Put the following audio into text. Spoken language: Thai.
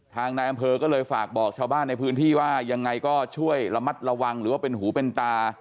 นายอำเภอก็เลยฝากบอกชาวบ้านในพื้นที่ว่ายังไงก็ช่วยระมัดระวังหรือว่าเป็นหูเป็นตา